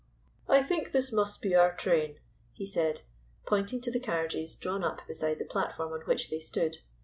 "I think this must be our train," he said, pointing to the carriages drawn up beside the platform on which they stood.